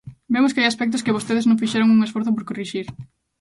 Vemos que hai aspectos que vostedes non fixeron un esforzo por corrixir.